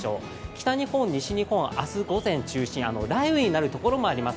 北日本、西日本、明日午前中心に雷雨になるところもあります。